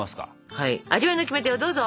はい味わいのキメテをどうぞ。